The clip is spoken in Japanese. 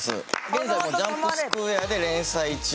現在もも「ジャンプスクエア」で連載中。